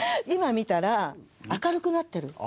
今見たら明るくなってる。